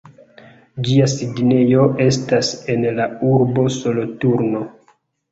Ĝia sidejo estas en la urbo Soloturno.